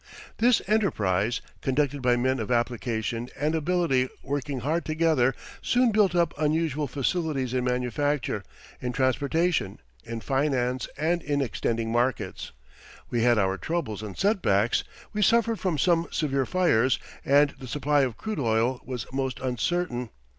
This enterprise, conducted by men of application and ability working hard together, soon built up unusual facilities in manufacture, in transportation, in finance, and in extending markets. We had our troubles and set backs; we suffered from some severe fires; and the supply of crude oil was most uncertain.